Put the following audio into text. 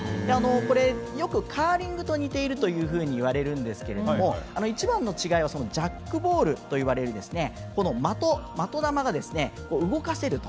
これはよく、カーリングと似ているというふうにいわれるんですけれども一番の違いはジャックボールと呼ばれる的球が動かせると。